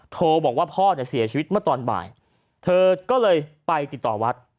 โทรบอกว่าพ่อเนี่ยเสียชีวิตเมื่อตอนบ่ายเธอก็เลยไปติดต่อวัด